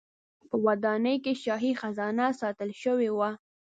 په دې ودانۍ کې شاهي خزانه ساتل شوې وه.